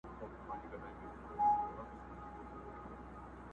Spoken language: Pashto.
دښمني به سره پاته وي کلونه!!